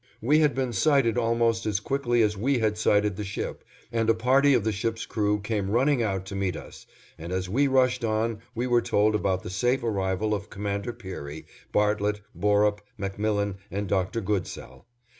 We had been sighted almost as quickly as we had sighted the ship, and a party of the ship's crew came running out to meet us, and as we rushed on we were told about the safe arrival of Commander Peary, Bartlett, Borup, MacMillan, and Dr. Goodsell.